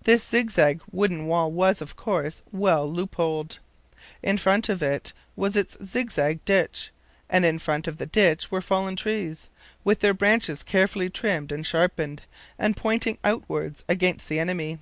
This zigzag wooden wall was, of course, well loopholed. In front of it was its zigzag ditch; and in front of the ditch were fallen trees, with their branches carefully trimmed and sharpened, and pointing outwards against the enemy.